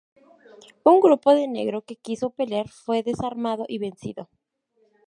Un grupo de negros que quiso pelear fue desarmado y vencido.